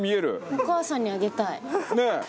お母さんにあげたい。